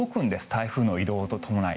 台風の移動に伴い。